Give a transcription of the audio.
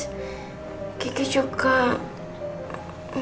maaf gak apa apa kok mas